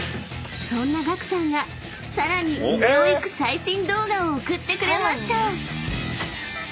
［そんな岳さんがさらに上を行く最新動画を送ってくれました］